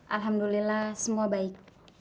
alhamdulillah semua baik